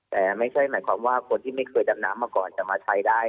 แต่ไม่ใช่หมายความว่าคนที่ไม่เคยดำน้ำมาก่อนจะมาใช้ได้